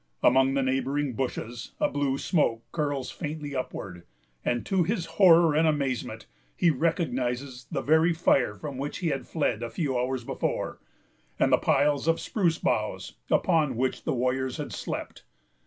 Among the neighboring bushes, a blue smoke curls faintly upward; and, to his horror and amazement, he recognizes the very fire from which he had fled a few hours before, and the piles of spruce boughs upon which the warriors had slept.